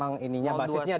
memang ini basisnya di situ ya